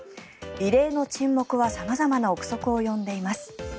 異例の沈黙は様々な臆測を呼んでいます。